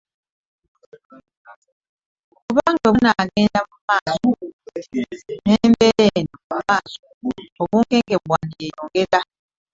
Kubanga bwe banaagenda n'embeera eno mu maaso, obunkenke bwakweyongera.